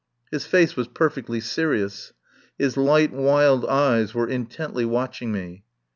His face was perfectly serious. His light wild eyes were intently watching me.